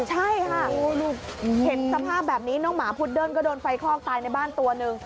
ใช่ค่ะเห็นสภาพแบบนี้น้องหมาพุดเดิ้ลก็โดนไฟคลอกตายในบ้านตัวหนึ่ง